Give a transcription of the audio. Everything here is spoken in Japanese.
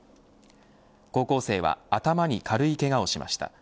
高校生は頭に軽いけがをしました。